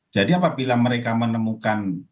jadi apabila mereka menemukan